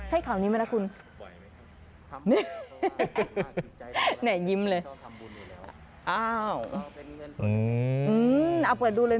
ใช่ข่าวนี้ไหมล่ะคุณ